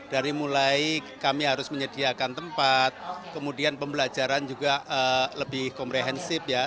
dari mulai kami harus menyediakan tempat kemudian pembelajaran juga lebih komprehensif ya